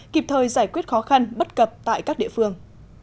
kịp thời giải quyết khó khăn bất cập tại các địa phương